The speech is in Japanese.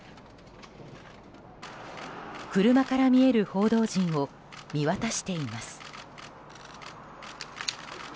車から見える報道陣を見渡しています。